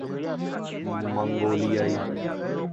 منگولیائی